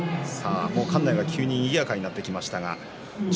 館内にぎやかになってきました。